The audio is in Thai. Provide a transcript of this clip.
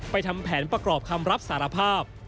ทำแผนประกอบคำรับสารภาพ